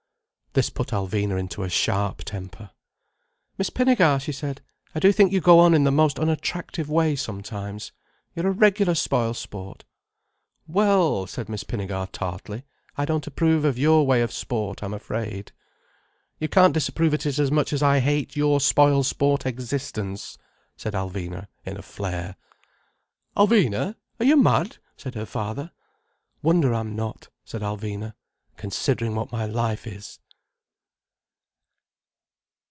This put Alvina into a sharp temper. "Miss Pinnegar," she said. "I do think you go on in the most unattractive way sometimes. You're a regular spoil sport." "Well," said Miss Pinnegar tartly. "I don't approve of your way of sport, I'm afraid." "You can't disapprove of it as much as I hate your spoil sport existence," said Alvina in a flare. "Alvina, are you mad!" said her father. "Wonder I'm not," said Alvina, "considering what my life is."